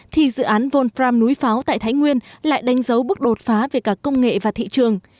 thì dự án volfram núi pháo tại thái nguyên lại đánh dấu bước đột phá về cả công nghệ và thị trường